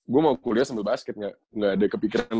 gue mau kuliah sambil basket nggak ada kepikiran